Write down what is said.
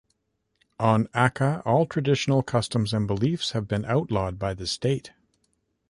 On Aka, all traditional customs and beliefs have been outlawed by the state.